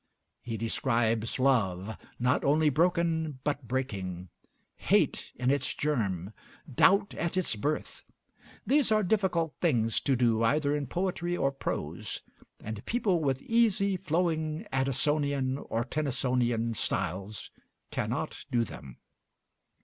He describes love, not only broken but breaking; hate in its germ; doubt at its birth. These are difficult things to do either in poetry or prose, and people with easy, flowing Addisonian or Tennysonian styles cannot do them.